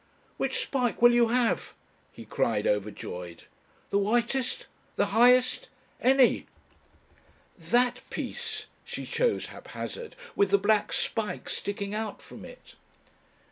"Which spike will you have?" he cried, overjoyed. "The whitest? The highest? Any!" "That piece," she chose haphazard, "with the black spike sticking out from it."